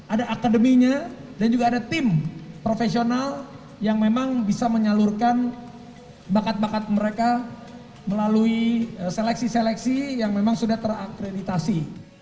ada akademinya dan juga ada tim profesional yang memang bisa menyalurkan bakat bakat mereka melalui seleksi seleksi yang memang sudah terakreditasi